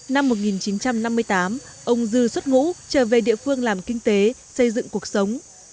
năm một nghìn chín trăm năm mươi tám ông dư xuất ngũ trở về địa phương làm kinh tế xây dựng cuộc sống